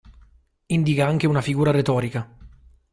Indica anche una figura retorica.